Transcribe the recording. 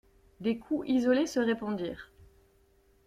Des coups isolés se répondirent.